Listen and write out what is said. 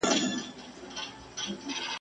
چي زینبه پکښی وراره چي سرتوره درخانۍ ده ..